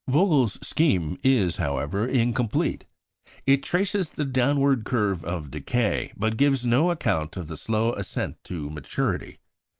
Vogel's scheme is, however, incomplete. It traces the downward curve of decay, but gives no account of the slow ascent to maturity.